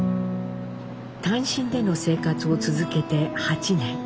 単身での生活を続けて８年。